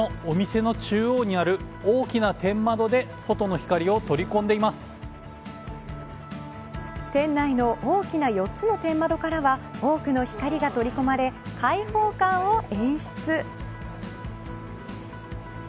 こちらのお店の中央にある大きな天窓で店内の大きな４つの天窓からは多くの光が取り込まれ開放感を演出。